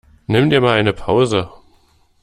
Nimm dir mal eine Pause!